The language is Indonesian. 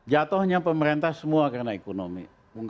tidak hanya pemerintah semua karena ekonomi